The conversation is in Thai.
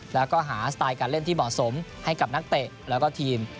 แล้วก็หาสไตล์การเล่นที่เหมาะสมให้กับนักเตะแล้วก็ทีม